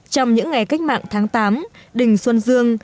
trong những ngày cách mạng tháng tám đình xuân dương